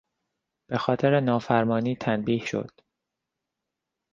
به خاطر نافرمانی تنبیه شد.